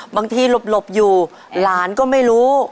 หลบอยู่หลานก็ไม่รู้